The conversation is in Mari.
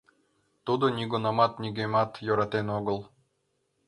Тудо нигунамат нигӧмат йӧратен огыл.